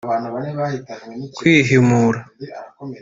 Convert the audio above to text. kwihimura